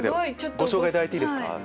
ご紹介いただいていいですか。